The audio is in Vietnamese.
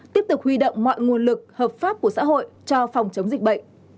tiếp tục huy động mọi nguồn lực hợp pháp của xã hội cho phòng chống dịch bệnh